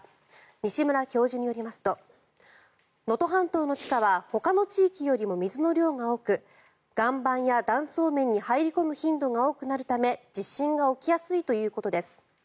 西村教授によりますと能登半島の地下はほかの地域より水の量が多く岩盤や断層面に入り込む頻度が多くなるため地震が起きやすいということです。